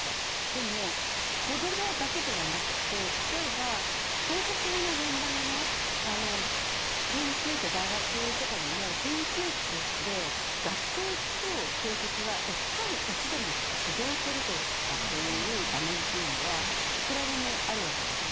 でも、子どもだけじゃなくて例えば教職の現場で大学とかでも研究室で学生と教職が一対一で指導する場面というのはいくらでもあるわけです。